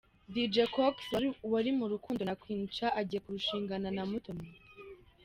Dj Cox wari mu rukundo na Queen Cha agiye kurushingana na Umutoni.